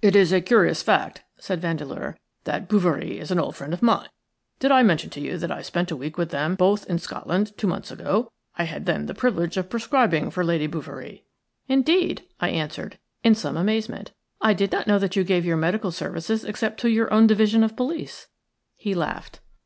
"It is a curious fact," said Vandeleur, "that Bouverie is an old friend of mine. Did I mention to you that I spent a week with them both in Scotland two months ago? I had then the privilege of prescribing for Lady Bouverie." "'IT IS A CURIOUS FACT,' SAID VANDELEUR, 'THAT BOUVERIE IS AN OLD FRIEND OF MINE.'" "Indeed!" I answered, in some amazement. "I did not know that you gave your medical services except to your own division of police." He laughed.